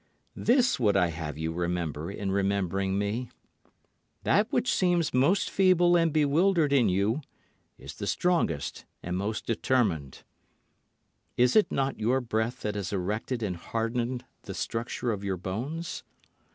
This would I have you remember in remembering me: That which seems most feeble and bewildered in you is the strongest and most determined. Is it not your breath that has erected and hardened the structure of your bones?